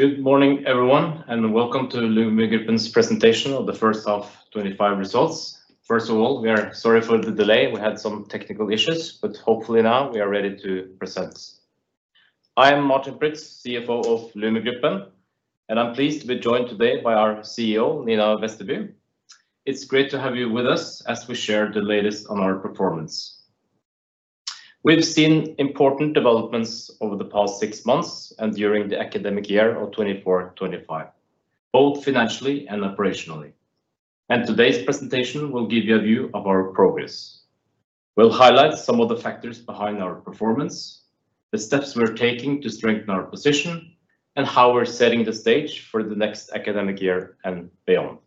Good morning, everyone, and welcome to Lumi Gruppen's Presentation Of The First Half 2025 Results. First of all, we are sorry for the delay. We had some technical issues, but hopefully now we are ready to present. I am Martin Prytz, CFO of Lumi Gruppen, and I'm pleased to be joined today by our CEO, Nina Vesterby. It's great to have you with us as we share the latest on our performance. We've seen important developments over the past six months and during the academic year of 2024/2025, both financially and operationally. Today's presentation will give you a view of our progress. We'll highlight some of the factors behind our performance, the steps we're taking to strengthen our position, and how we're setting the stage for the next academic year and beyond.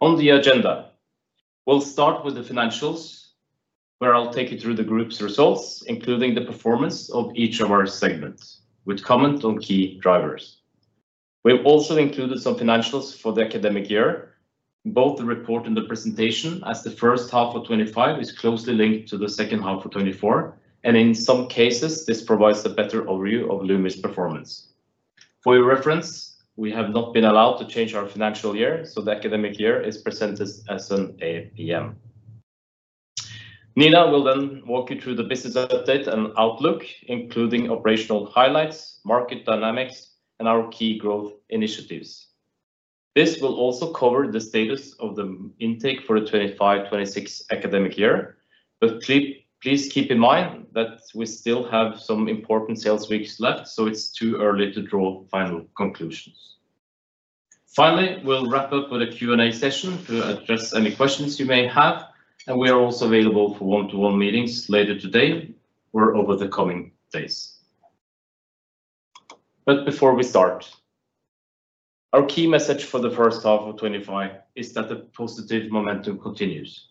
On the agenda, we'll start with the financials, where I'll take you through the group's results, including the performance of each of our segments, with comments on key drivers. We've also included some financials for the academic year. Both the report and the presentation, as the first half of 2025 is closely linked to the second half of 2024, and in some cases, this provides a better overview of Lumi's performance. For your reference, we have not been allowed to change our financial year, so the academic year is presented as an APM. Nina will then walk you through the business update and outlook, including operational highlights, market dynamics, and our key growth initiatives. This will also cover the status of the intake for the 2025/2026 academic year, but please keep in mind that we still have some important sales weeks left, so it's too early to draw final conclusions. Finally, we'll wrap up with a Q&A session to address any questions you may have, and we are also available for one-to-one meetings later today or over the coming days. Before we start, our key message for the first half of 2025 is that the positive momentum continues.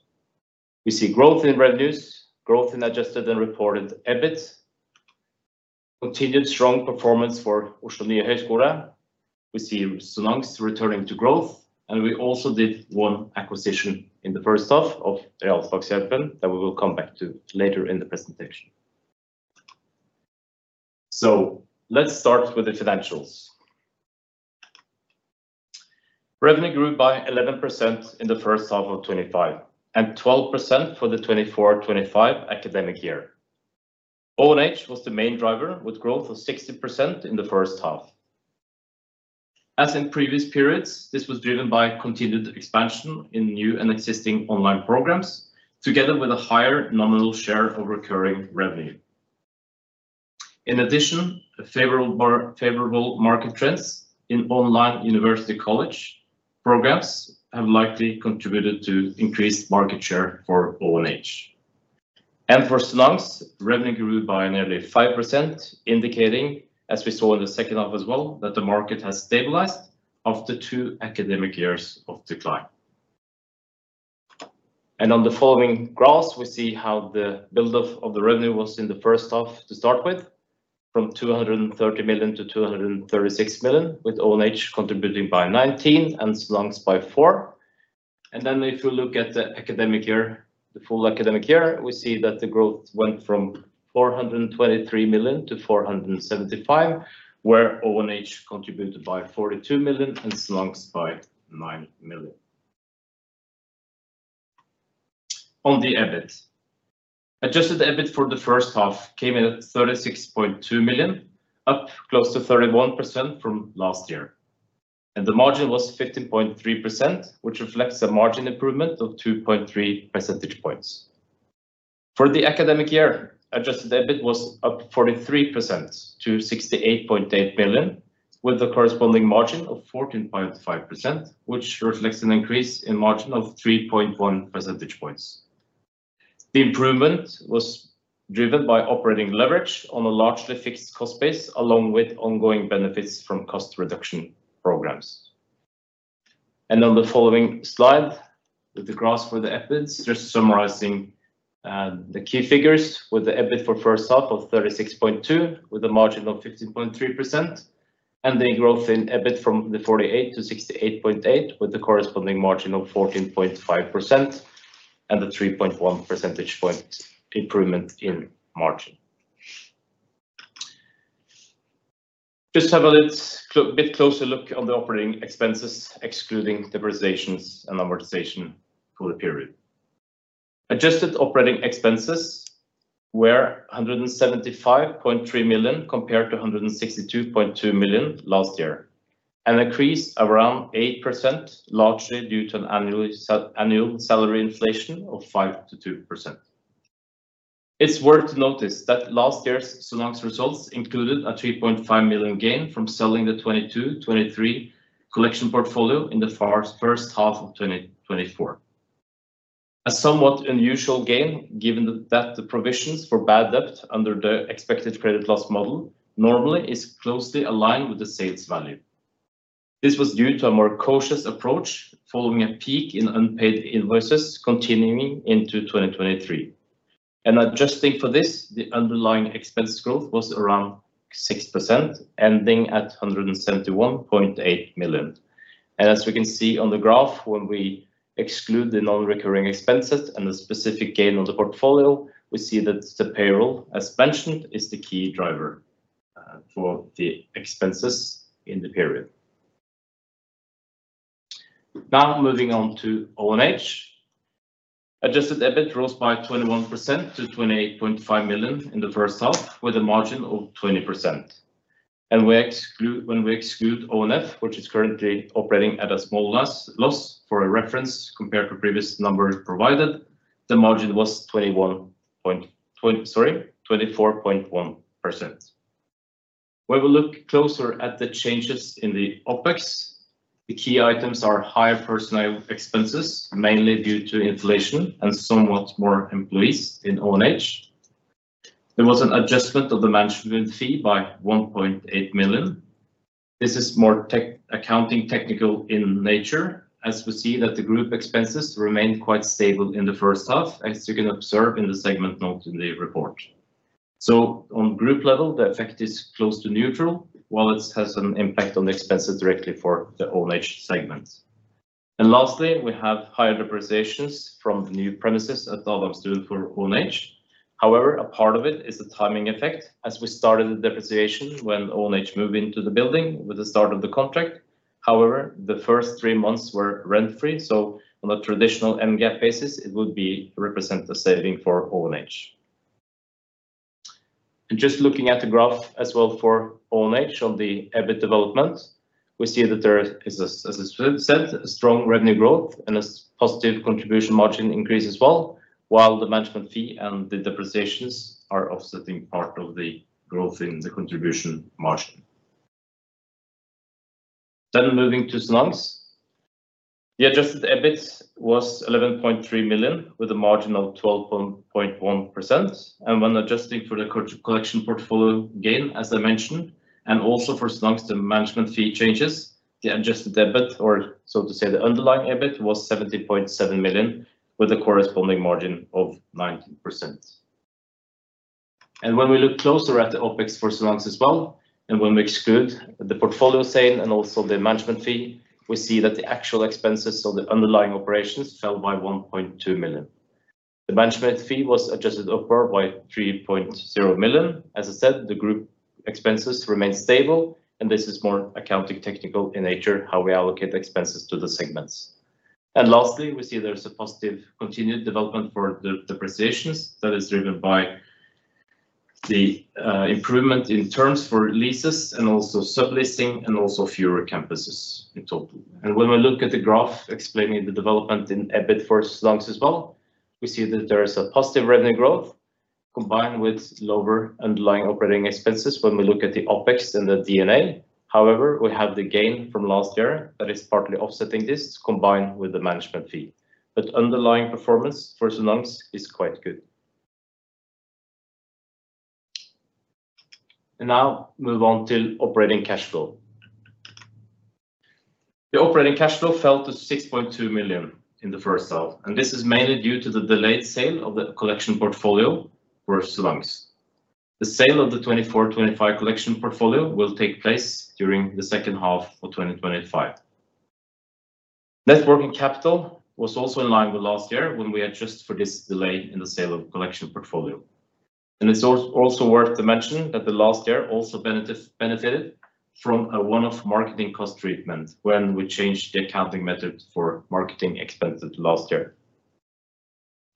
We see growth in revenues, growth in adjusted and reported EBIT, continued strong performance for Oslo Nye Høyskole. We see Sonans returning to growth, and we also did one acquisition in the first half of Realfagshjelpen, that we will come back to later in the presentation. Let's start with the financials. Revenue grew by 11% in the first half of 2025, and 12% for the 2024/2025 academic year. ONH was the main driver, with growth of 60% in the first half. As in previous periods, this was driven by continued expansion in new and existing online programs, together with a higher nominal share of recurring revenue. In addition, a favorable market trend in online university college programs has likely contributed to increased market share for ONH. For Sonans, revenue grew by nearly 5%, indicating, as we saw in the second half as well, that the market has stabilized after two academic years of decline. On the following graphs, we see how the buildup of the revenue was in the first half to start with, from 230 million to 236 million, with ONH contributing by 19 million and Sonans by 4 million. If we look at the academic year, the full academic year, we see that the growth went from 423 million to 475 million, where ONH contributed by 42 million and Sonans by 9 million. On the EBIT, adjusted EBIT for the first half came in at 36.2 million, up close to 31% from last year. The margin was 15.3%, which reflects a margin improvement of 2.3 percentage points. For the academic year, adjusted EBIT was up 43% to 68.8 million, with a corresponding margin of 14.5%, which reflects an increase in margin of 3.1 percentage points. The improvement was driven by operating leverage on a largely fixed cost base, along with ongoing benefits from cost reduction programs. On the following slide, the graphs for the EBIT just summarize the key figures, with the EBIT for the first half of 36.2 million, with a margin of 15.3%, and the growth in EBIT from 48 million to 68.8 million, with a corresponding margin of 14.5% and a 3.1 percentage point improvement in margin. Taking a bit closer look at the operating expenses, excluding depreciations and amortization for the period, adjusted operating expenses were 175.3 million compared to 162.2 million last year, an increase around 8%, largely due to an annual salary inflation of 5% to 2%. It's worth noticing that last year's Sonans results included a 3.5 million gain from selling the 22/23 collection portfolio in the first half of 2024. This was a somewhat unusual gain, given that the provisions for bad debt under the expected credit loss model normally are closely aligned with the sales value. This was due to a more cautious approach, following a peak in unpaid invoices continuing into 2023. Adjusting for this, the underlying expense growth was around 6%, ending at 171.8 million. As we can see on the graph, when we exclude the non-recurring expenses and the specific gain on the portfolio, we see that the payroll, as mentioned, is the key driver for the expenses in the period. Now moving on to ONH, adjusted EBIT rose by 21% to 28.5 million in the first half, with a margin of 20%. When we exclude ONF, which is currently operating at a small loss, for reference, compared to previous numbers provided, the margin was 24.1%. When we look closer at the changes in the OpEx, the key items are higher personnel expenses, mainly due to inflation and somewhat more employees in ONH. There was an adjustment of the management fee by 1.8 million. This is more accounting technical in nature, as we see that the group expenses remain quite stable in the first half, as you can observe in the segment noted in the report. On group level, the effect is close to neutral, while it has an impact on the expenses directly for the ONH segment. Lastly, we have higher depreciations from the new premises at Dalvangstuen for ONH. However, a part of it is a timing effect, as we started the depreciation when ONH moved into the building with the start of the contract. The first three months were rent-free, so on a traditional NGAAP basis, it would be representative saving for ONH. Just looking at the graph as well for ONH on the EBIT development, we see that there is, as I said, a strong revenue growth and a positive contribution margin increase as well, while the management fee and the depreciations are offsetting part of the growth in the contribution margin. Moving to Sonans, the adjusted EBIT was 11.3 million with a margin of 12.1%. When adjusting for the collection portfolio gain, as I mentioned, and also for Sonans, the management fee changes, the adjusted EBIT, or so to say, the underlying EBIT was 70.7 million with a corresponding margin of 19%. When we look closer at the OpEx for Sonans as well, and when we exclude the portfolio sale and also the management fee, we see that the actual expenses of the underlying operations fell by 1.2 million. The management fee was adjusted upward by 3.0 million. As I said, the group expenses remain stable, and this is more accounting technical in nature, how we allocate the expenses to the segments. Lastly, we see there's a positive continued development for the depreciations that is driven by the improvement in terms for leases and also subleasing and fewer campuses in total. When I look at the graph explaining the development in EBIT for Sonans as well, we see that there is a positive revenue growth combined with lower underlying operating expenses when we look at the OpEx and the DNA. However, we have the gain from last year that is partly offsetting this combined with the management fee. Underlying performance for Sonans is quite good. Now move on to operating cash flow. The operating cash flow fell to 6.2 million in the first half, and this is mainly due to the delayed sale of the collection portfolio for Sonans. The sale of the 2024/2025 collection portfolio will take place during the second half of 2025. Net working capital was also in line with last year when we adjust for this delay in the sale of the collection portfolio. It's also worth mentioning that last year also benefited from a one-off marketing cost treatment when we changed the accounting method for marketing expenses last year.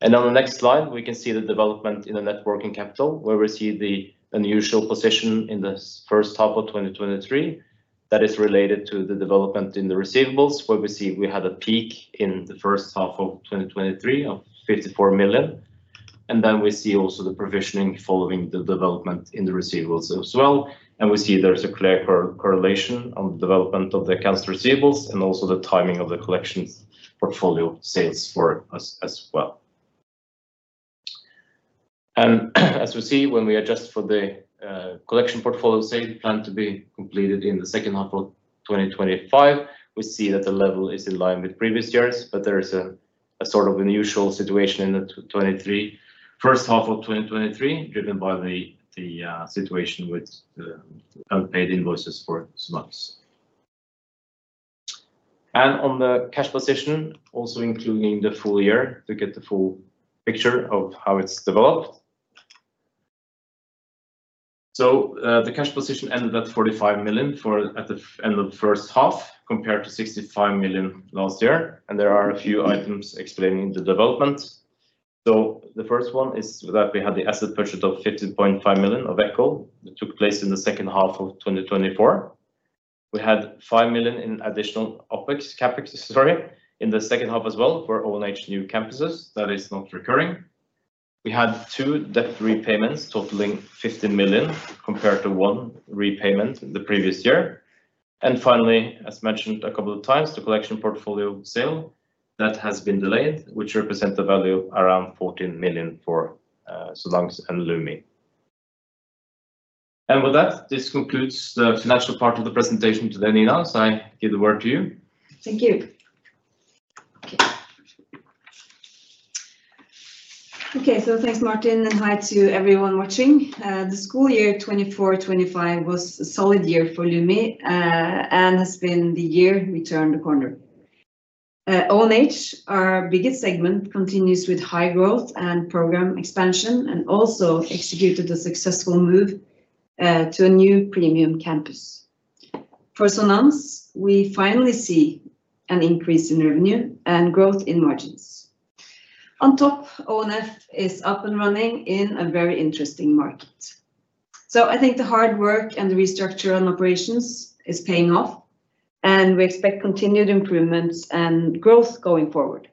On the next slide, we can see the development in the net working capital, where we see the unusual position in the first half of 2023 that is related to the development in the receivables, where we had a peak in the first half of 2023 of 54 million. We also see the provisioning following the development in the receivables as well. There's a clear correlation on the development of the accounts receivables and the timing of the collections portfolio sales for us as well. When we adjust for the collection portfolio sales planned to be completed in the second half of 2025, we see that the level is in line with previous years, but there's a sort of unusual situation in the first half of 2023, driven by the situation with the paid invoices for Sonans. On the cash position, also including the full year, look at the full picture of how it's developed. The cash position ended at 45 million at the end of the first half, compared to 65 million last year. There are a few items explaining the development. The first one is that we had the asset purchase of 50.5 million of Ekko that took place in the second half of 2024. We had 5 million in additional OpEx, sorry, in the second half as well for ONH new campuses that is not recurring. We had two debt repayments totaling 15 million compared to one repayment in the previous year. Finally, as mentioned a couple of times, the collection portfolio sale that has been delayed represents a value of around 14 million for Sonans and Lumi. With that, this concludes the financial part of the presentation today, Nina. I give the word to you. Thank you. OK, so thanks, Martin, and hi to everyone watching. The school year 2024/2025 was a solid year for Lumi and has been the year we turned the corner. ONH, our biggest segment, continues with high growth and program expansion and also executed a successful move to a new premium campus. For Sonans, we finally see an increase in revenue and growth in margins. On top, ONF is up and running in a very interesting market. I think the hard work and the restructuring operations are paying off, and we expect continued improvements and growth going forward.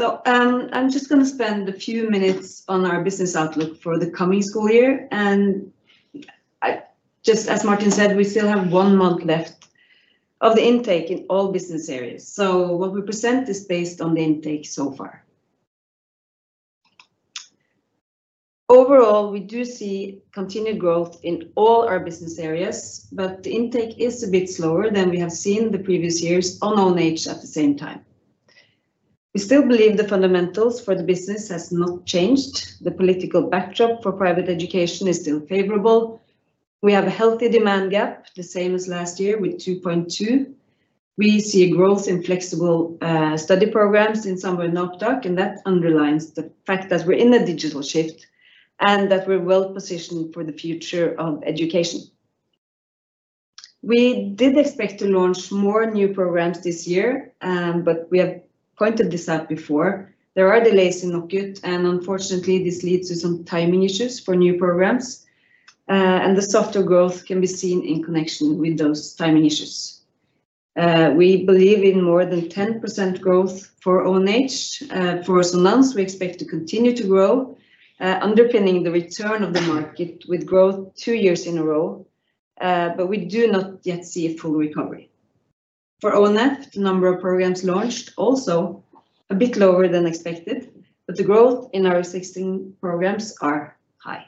I'm just going to spend a few minutes on our business outlook for the coming school year. Just as Martin said, we still have one month left of the intake in all business areas. What we present is based on the intake so far. Overall, we do see continued growth in all our business areas, but the intake is a bit slower than we have seen in the previous years on ONH at the same time. We still believe the fundamentals for the business have not changed. The political backdrop for private education is still favorable. We have a healthy demand gap, the same as last year, with 2.2. We see growth in flexible study programs in somewhere in NOKUT, and that underlines the fact that we're in a digital shift and that we're well positioned for the future of education. We did expect to launch more new programs this year, but we have pointed this out before. There are delays in NOKUT, and unfortunately, this leads to some timing issues for new programs. The softer growth can be seen in connection with those timing issues. We believe in more than 10% growth for ONH. For Sonans, we expect to continue to grow, underpinning the return of the market with growth two years in a row. We do not yet see a full recovery. For ONF, the number of programs launched is also a bit lower than expected, but the growth in our existing programs is high.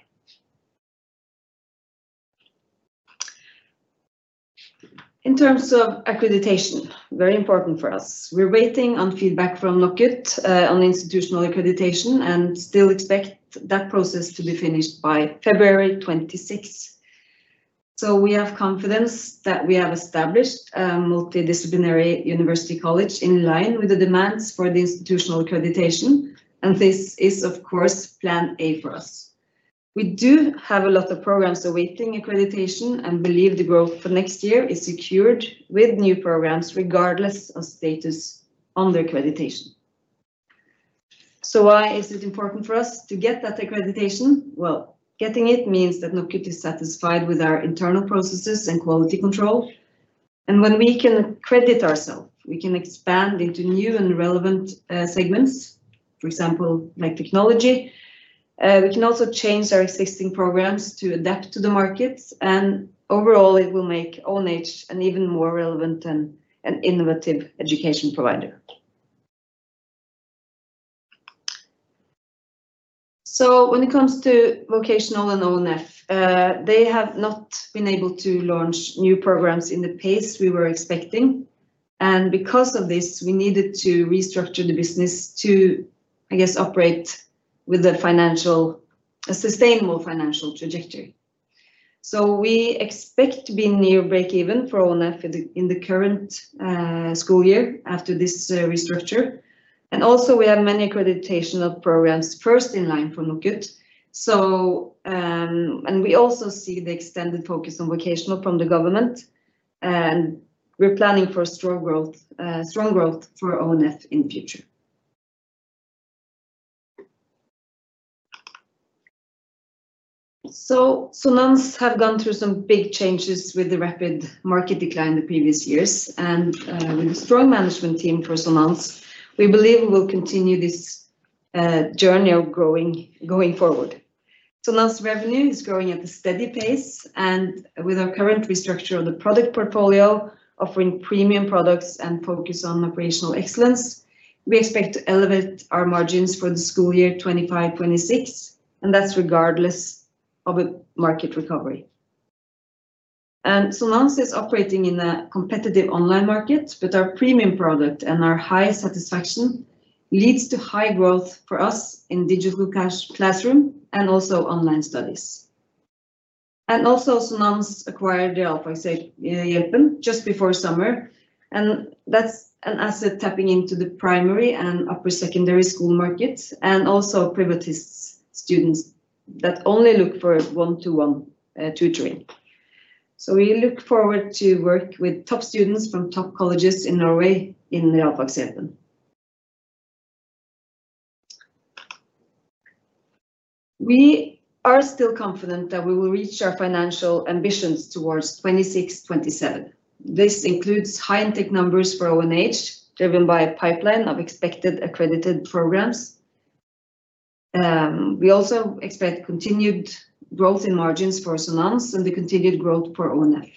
In terms of accreditation, very important for us. We're waiting on feedback from NOKUT on institutional accreditation and still expect that process to be finished by February 2026. We have confidence that we have established a multidisciplinary university college in line with the demands for the institutional accreditation. This is, of course, plan A for us. We do have a lot of programs awaiting accreditation and believe the growth for next year is secured with new programs regardless of status under accreditation. Why is it important for us to get that accreditation? Getting it means that NOKUT is satisfied with our internal processes and quality control. When we can accredit ourselves, we can expand into new and relevant segments, for example, like technology. We can also change our existing programs to adapt to the markets. Overall, it will make ONH an even more relevant and innovative education provider. When it comes to vocational and ONF, they have not been able to launch new programs at the pace we were expecting. Because of this, we needed to restructure the business to operate with a sustainable financial trajectory. We expect to be near break even for ONF in the current school year after this restructuring. We have many accreditation programs first in line for NOKUT. We also see the extended focus on vocational from the government, and we're planning for strong growth for ONF in the future. Sonans has gone through some big changes with the rapid market decline in the previous years. With a strong management team for Sonans, we believe we will continue this journey of growing forward. Sonans revenue is growing at a steady pace. With our current restructuring of the product portfolio, offering premium products and focus on operational excellence, we expect to elevate our margins for the school year 2025/2026, regardless of a market recovery. Sonans is operating in a competitive online market, but our premium product and our high satisfaction lead to high growth for us in digital classroom and also online studies. Sonans acquired Realfagshjelpen just before summer. That's an asset tapping into the primary and upper secondary school markets and also privatized students that only look for one-to-one tutoring. We look forward to working with top students from top colleges in Norway in Realfagshjelpen. We are still confident that we will reach our financial ambitions towards 2026/2027. This includes high intake numbers for ONH, driven by a pipeline of expected accredited programs. We also expect continued growth in margins for Sonans and the continued growth for ONF.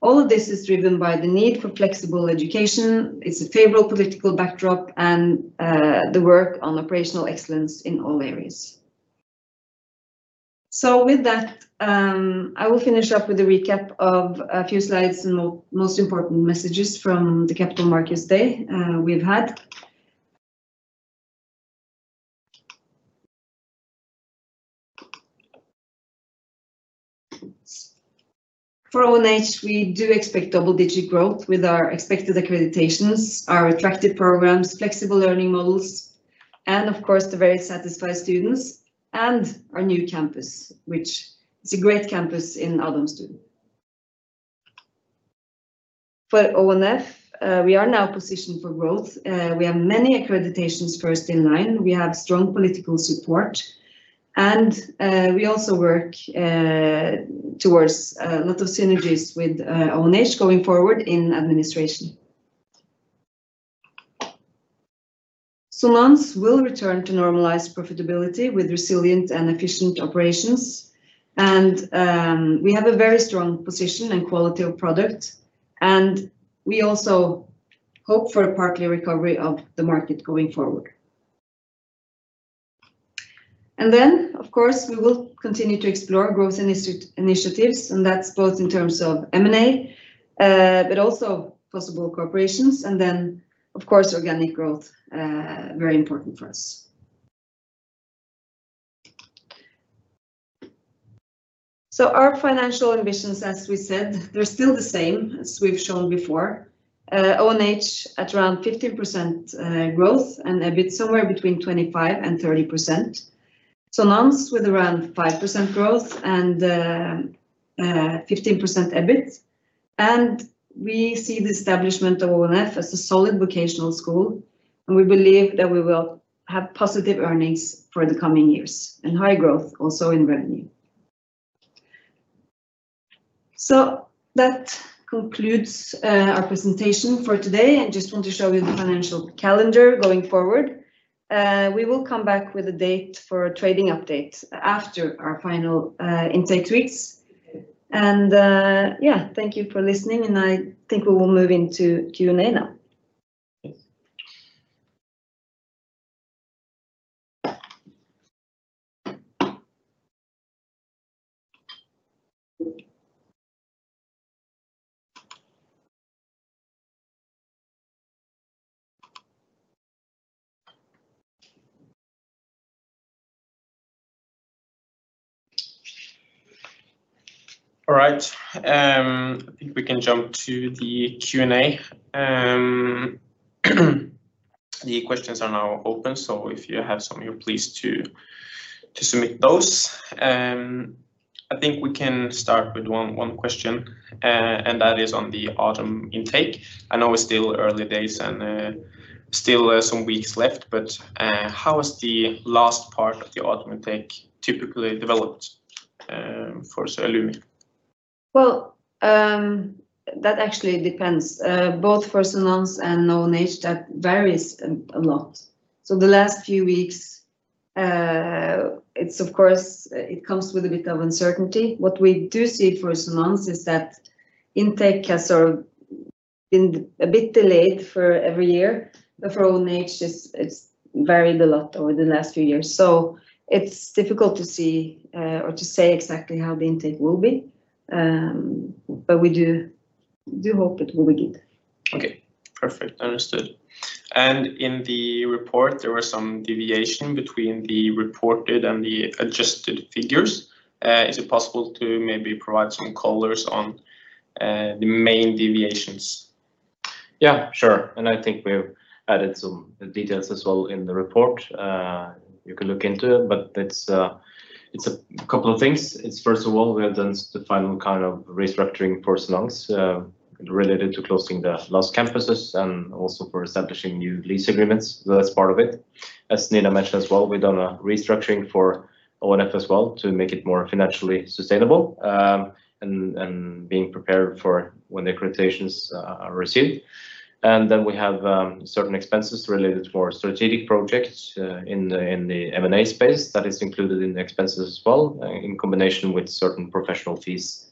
All of this is driven by the need for flexible education, a favorable political backdrop, and the work on operational excellence in all areas. With that, I will finish up with a recap of a few slides and most important messages from the Capital Markets Day we've had. For ONH, we do expect double-digit growth with our expected accreditations, our attractive programs, flexible learning models, and of course, the very satisfied students and our new campus, which is a great campus in Dalvangstuen. For ONF, we are now positioned for growth. We have many accreditations first in line. We have strong political support. We also work towards a lot of synergies with ONH going forward in administration. Sonans will return to normalized profitability with resilient and efficient operations. We have a very strong position and quality of product. We also hope for a partly recovery of the market going forward. We will continue to explore growth initiatives. That is both in terms of M&A, but also possible corporations. Organic growth is very important for us. Our financial ambitions, as we said, they're still the same as we've shown before. ONH at around 15% growth and EBIT somewhere between 25% and 30%. Sonans with around 5% growth and 15% EBIT. We see the establishment of ONF as a solid vocational school. We believe that we will have positive earnings for the coming years and high growth also in revenue. That concludes our presentation for today. I just want to show you the financial calendar going forward. We will come back with a date for a trading update after our final intake weeks. Thank you for listening. I think we will move into Q&A now. All right. We can jump to the Q&A. The questions are now open. If you have some, you're pleased to submit those. I think we can start with one question, and that is on the autumn intake. I know we're still early days and still some weeks left, but how has the last part of the autumn intake typically developed for Lumi Gruppen? That actually depends. Both for Sonans and ONH, that varies a lot. The last few weeks, it comes with a bit of uncertainty. What we do see for Sonans is that intake has sort of been a bit delayed for every year. For ONH, it's varied a lot over the last few years. It's difficult to see or to say exactly how the intake will be. We do hope it will be good. OK, perfect. Understood. In the report, there was some deviation between the reported and the adjusted figures. Is it possible to maybe provide some colors on the main deviations? Yeah, sure. I think we've added some details as well in the report. You can look into it. It's a couple of things. First of all, we've done the final kind of restructuring for Sonans related to closing the last campuses and also for establishing new lease agreements. That's part of it. As Nina mentioned as well, we've done a restructuring for ONF as well to make it more financially sustainable and being prepared for when the accreditations are received. We have certain expenses related to more strategic projects in the M&A space that is included in the expenses as well, in combination with certain professional fees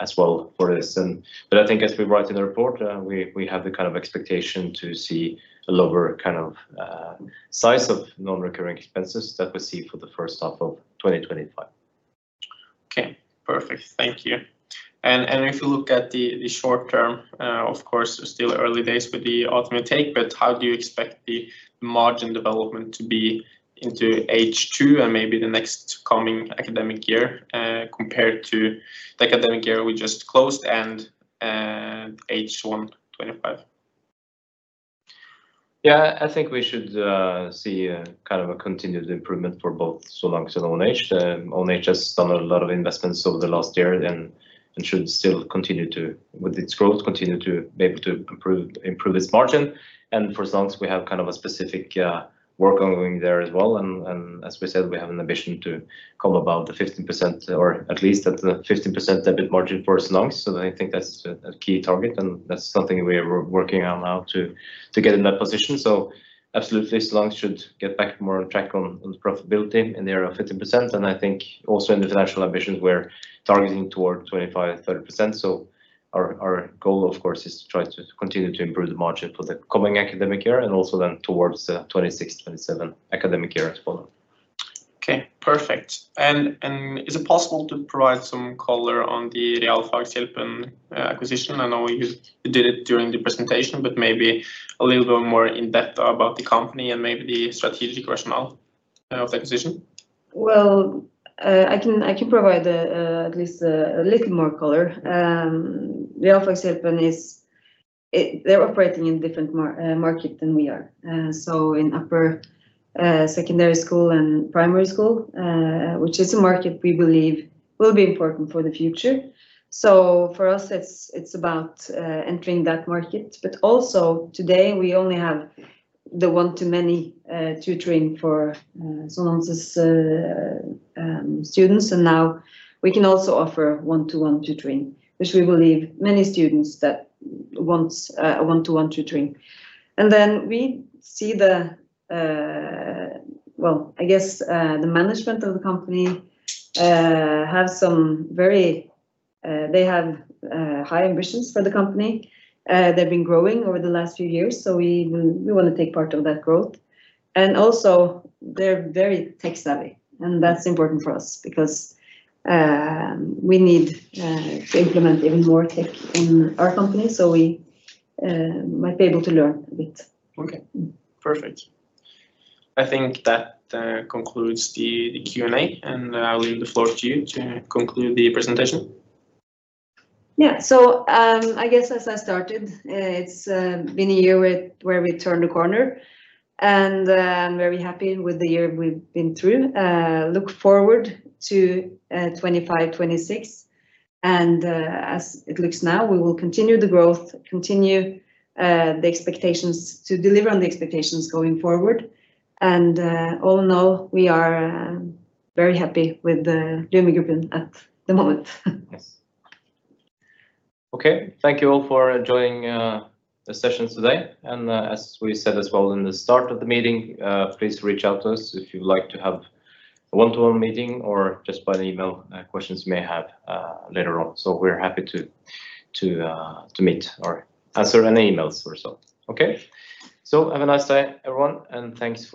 as well for this. I think, as we write in the report, we have the kind of expectation to see a lower kind of size of non-recurring expenses that we see for the first half of 2025. OK, perfect. Thank you. If you look at the short term, of course, still early days with the autumn intake. How do you expect the margin development to be into H2 and maybe the next coming academic year compared to the academic year we just closed and H1 2025? Yeah, I think we should see kind of a continued improvement for both Sonans and ONH. ONH has done a lot of investments over the last year and should still continue to, with its growth, continue to be able to improve its margin. For Sonans, we have kind of a specific work going there as well. As we said, we have an ambition to come about the 15% or at least at the 15% EBIT margin for Sonans. I think that's a key target. That's something we are working on now to get in that position. Absolutely, Sonans should get back more on track on profitability in the area of 15%. I think also in the financial ambitions, we're targeting toward 25%, 30%. Our goal, of course, is to try to continue to improve the margin for the coming academic year and also then towards the 2026/2027 academic year as well. OK, perfect. Is it possible to provide some color on the Realfagshjelpen acquisition? I know you did it during the presentation, but maybe a little bit more in depth about the company and maybe the strategic rationale of the acquisition? I can provide at least a little more color. Realfagshjelpen, they're operating in a different market than we are. In upper secondary school and primary school, which is a market we believe will be important for the future, for us it's about entering that market. Today, we only have the one-to-many tutoring for Sonans' students, and now we can also offer one-to-one tutoring, which we believe many students want. We see the management of the company has high ambitions for the company. They've been growing over the last few years, and we want to take part of that growth. They're very tech-savvy, and that's important for us because we need to implement even more tech in our company. We might be able to learn a bit. OK. Perfect. I think that concludes the Q&A. I'll leave the floor to you to conclude the presentation. As I started, it's been a year where we turned the corner and are very happy with the year we've been through. I look forward to 2025 and 2026. As it looks now, we will continue the growth and continue the expectations to deliver on the expectations going forward. All in all, we are very happy with Lumi Gruppen at the moment. Thank you all for joining the session today. As we said at the start of the meeting, please reach out to us if you'd like to have a one-to-one meeting or just email questions you may have later on. We're happy to meet or answer any emails. Have a nice day, everyone, and thanks.